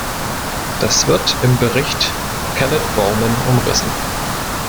Das wird im Bericht Kellett-Bowman umrissen.